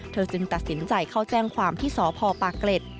จึงตัดสินใจเข้าแจ้งความที่สพปากเกร็ด